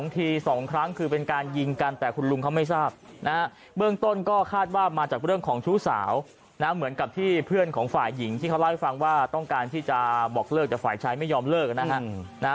๒ครั้งคือเป็นการยิงกันแต่คุณลุงเขาไม่ทราบนะฮะเบื้องต้นก็คาดว่ามาจากเรื่องของชู้สาวนะเหมือนกับที่เพื่อนของฝ่ายหญิงที่เขาเล่าให้ฟังว่าต้องการที่จะบอกเลิกแต่ฝ่ายชายไม่ยอมเลิกนะฮะ